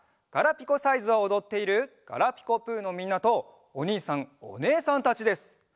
「ガラピコサイズ」をおどっている「ガラピコぷ」のみんなとおにいさんおねえさんたちです。